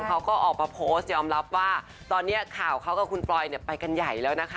เขาก็ออกมาโพสต์ยอมรับว่าตอนนี้ข่าวเขากับคุณปลอยไปกันใหญ่แล้วนะคะ